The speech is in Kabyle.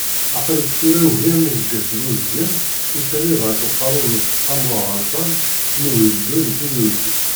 Aql-ik tura, uger n useggas d uzgen i telliḍ ɣef uqerru n Useqqamu Aɣerfan n Ugezdu n Tizi Uzzu.